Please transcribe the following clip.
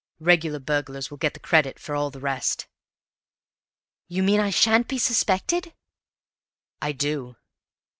Regular burglars will get the credit of all the rest!" "You mean that I sha'n't be suspected?" "I do."